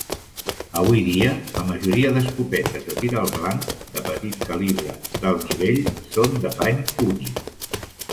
Avui dia, la majoria d'escopetes de tir al blanc de petit calibre d'alt nivell són de pany únic.